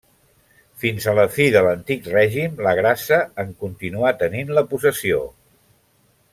Fins a la fi de l'Antic Règim la Grassa en continuà tenint la possessió.